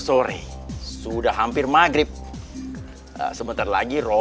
tori paham apa kami separation